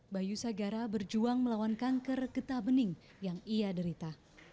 bayu sagara berjuang melawan kanker getah bening yang ia derita